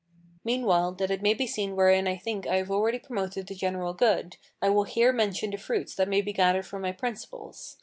Meanwhile, that it may be seen wherein I think I have already promoted the general good, I will here mention the fruits that may be gathered from my Principles.